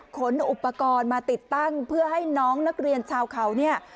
ขนอุปกรณ์มาติดตั้งเพื่อให้น้องนักเรียนชาวเขาเนี่ย